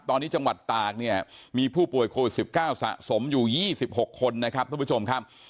ตอนนี้จังหวัดตากเนี่ยมีผู้ป่วยโควิด๑๙สะสมอยู่๒๖คนนะครับทุกผู้ชมครับ